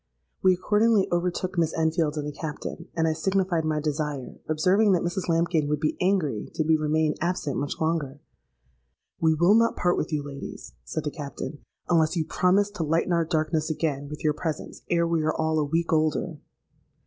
We accordingly overtook Miss Enfield and the Captain; and I signified my desire, observing that Mrs Lambkin would be angry did we remain absent much longer. 'We will not part with you, ladies,' said the Captain, 'unless you promise to lighten our darkness again with your presence ere we are all a week older.'